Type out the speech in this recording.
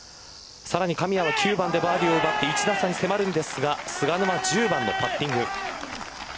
さらに神谷は９番でバーディーを奪って１打差に迫りますが菅沼１０番のパッティング。